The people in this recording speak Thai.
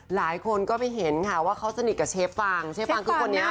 หลายคนก็ไปเห็นค่ะว่าเขาสนิทกับเชฟฟังเชฟฟังคือคนนี้